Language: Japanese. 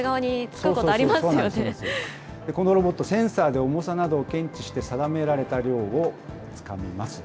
このロボット、センサーで重さなどを検知して、定められた量をつかみます。